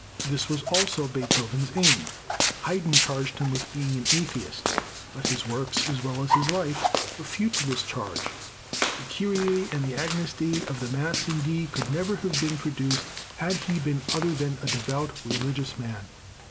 This was also Beethoven's aim. Haydn charged him with being an atheist, but his works as well as his life refute this charge. The Kyrie and the Agnus Dei of the Mass in D, could never have been produced had he been other than a devout, religious man.